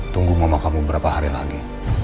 tunggu mama kamu berapa hari lagi